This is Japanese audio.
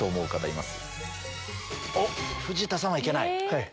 おっ藤田さんは「行けない」。